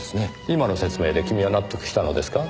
今の説明で君は納得したのですか？